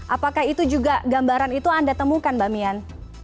apakah itu juga gambaran itu anda temukan mbak mian